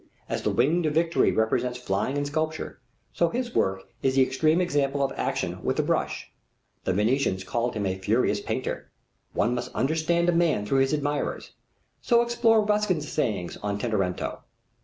As the Winged Victory represents flying in sculpture, so his work is the extreme example of action with the brush. The Venetians called him the furious painter. One must understand a man through his admirers. So explore Ruskin's sayings on Tintoretto.